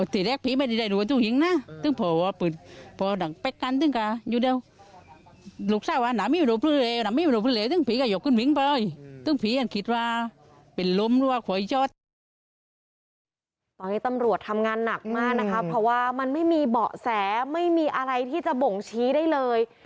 ตอนนี้ตำรวจทำงานหนักมากนะคะเพราะว่ามันไม่มีเบาะแสไม่มีอะไรที่จะบ่งชี้ได้เลย